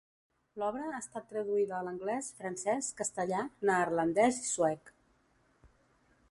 L'obra ha estat traduïda a l'anglès, francès, castellà, neerlandès i suec.